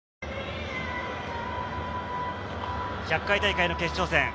１００回大会の決勝戦。